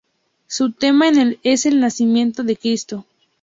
Su tema es el nacimiento de Cristo.